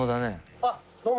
あっどうも。